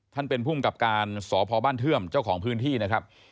ท่านเป็นภูมิกับการสพบ้านเทื่อมเจ้าของพื้นที่นะครับ